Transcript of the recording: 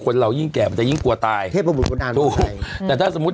คนเรายิ่งแก่มันจะยิ่งกลัวตายเทพบุตรคุณอาด้วยแต่ถ้าสมมุติ